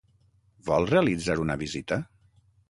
Vol realitzar una visita?